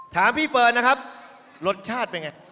ถามพี่เฟิร์นนะครับรสชาติเป็นไง